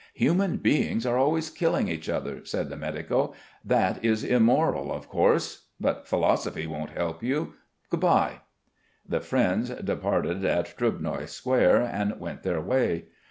"Human beings are always killing each other," said the medico. "That is immoral, of course. But philosophy won't help you. Good bye!" The friends parted at Trubnoi Square and went their way.